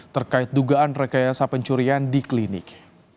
terkait dugaan rekayasa pencurian di klinik